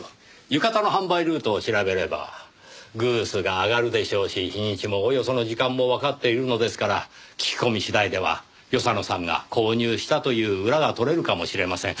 浴衣の販売ルートを調べればグースが挙がるでしょうし日にちもおおよその時間もわかっているのですから聞き込み次第では与謝野さんが購入したという裏が取れるかもしれません。